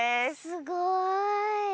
すごい。